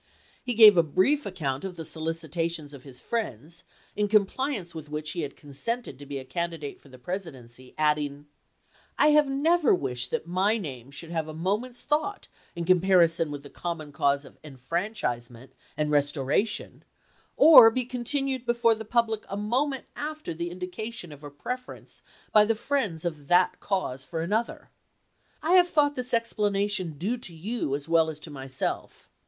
He gave a brief account of the solicitations of his friends, in compliance with which he had consented to be a candidate for the Presidency, adding : I have never wished that my name should have a mo ment's thought in comparison with the common cause of enfranchisement and restoration, or be continued before the public a moment after the indication of a preference by the friends of that cause for another. I have thought this explanation due to you as well as to myself.